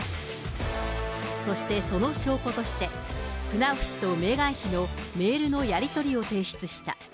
そして、その証拠として、クナウフ氏とメーガン妃のメールのやり取りを提出した。